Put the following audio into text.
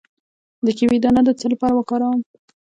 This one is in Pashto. د کیوي دانه د څه لپاره وکاروم؟